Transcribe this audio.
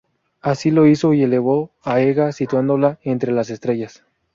Así lo hizo y elevó a Ega situándola entre las estrellas.